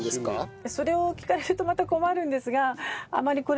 それを聞かれるとまた困るんですがあまり。